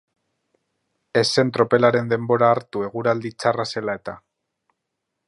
Ez zen tropelaren denbora hartu eguraldi txarra zela eta.